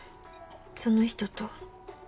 その人と。